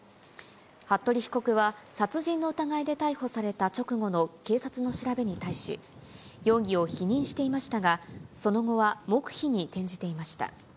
服部被告は殺人の疑いで逮捕された直後の警察の調べに対し、容疑を否認していましたが、その後は黙秘に転じていました。